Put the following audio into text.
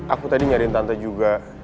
aku tadi nyari tante juga